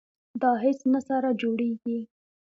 دا هیڅ نه سره جوړیږي.